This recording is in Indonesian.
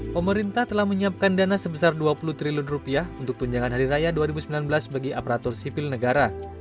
pemerintah telah menyiapkan dana sebesar dua puluh triliun rupiah untuk tunjangan hari raya dua ribu sembilan belas bagi aparatur sipil negara